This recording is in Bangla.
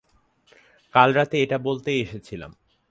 কাল রাতে এটা বলতেই এসেছিলাম।